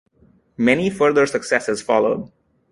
Many further successes followed.